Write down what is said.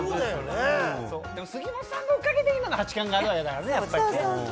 でも、杉本さんのおかげで、今の八冠があるわけだからね、やっぱりね。